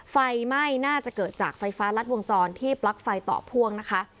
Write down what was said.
ไฟไหม้น่าจะเกิดจากไฟฟ้ารัดวงจรที่ปลั๊กไฟต่อพ่วงนะคะ